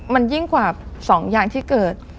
มันยิ่งกว่า๒อย่างที่เกิด